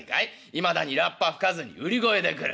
いまだにラッパ吹かずに売り声で来る。